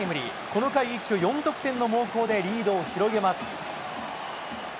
この回、一挙４得点の猛攻でリードを広げます。